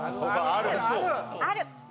ある！